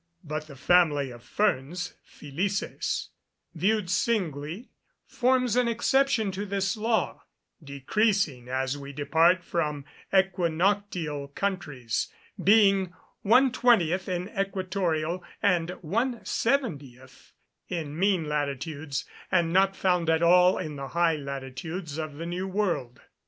But the family of ferns, filices, viewed singly, forms an exception to this law, decreasing as we depart from equinoctial countries, being 1 20th in equatorial and 1 70th in mean latitudes, and not found at all in the high latitudes of the new world.